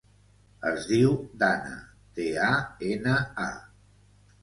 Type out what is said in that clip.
Es diu Dana: de, a, ena, a.